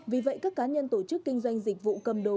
vì vậy các cá nhân tổ chức kinh doanh dịch vụ cầm đồ